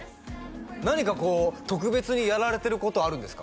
何かこう特別にやられてることあるんですか？